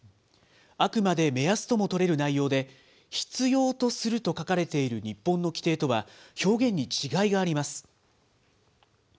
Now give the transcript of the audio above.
あくまで目安とも取れる内容で、必要とすると書かれている日本の規定とは表現に違いがあります。